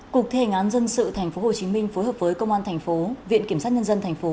cục thể ngán dân sự tp hcm phối hợp với công an tp viện kiểm sát nhân dân tp